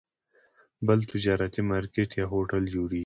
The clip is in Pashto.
بل تجارتي مارکیټ یا هوټل جوړېږي.